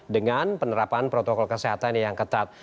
dengan penerapan protokol kesehatan yang ketat